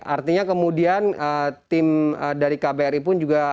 artinya kemudian tim dari kbri pun juga